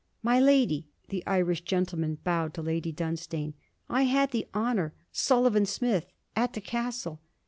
'My lady!' the Irish gentleman bowed to Lady Dunstane. 'I had the honour ... Sullivan Smith... at the castle...'